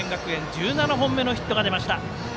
１７本目のヒットが出ました。